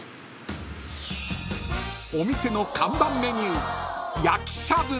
［お店の看板メニュー］